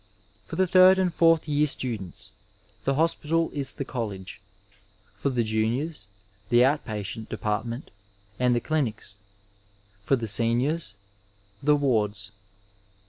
For the third and fourth year students, the hospital is tiie college ; for the juniors, the out patient depart ment and the clinics ; for the seniors, the wards.